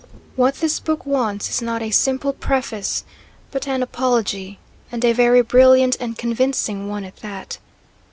What this book wants is not a simple Preface but an apology, and a very brilliant and convincing one at that.